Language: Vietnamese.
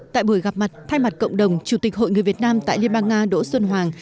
tại buổi gặp mặt thay mặt cộng đồng chủ tịch hội người việt nam tại liên bang nga đỗ xuân hoàng